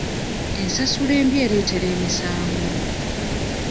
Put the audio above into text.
Ensasula embi ereetera emisango.